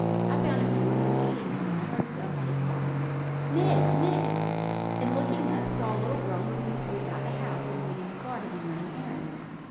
I found a few, and was eating them, when I heard somebody call me, 'Miss! Miss!' and, looking up, saw a little girl who was employed about the house, in weeding the garden, and running errands.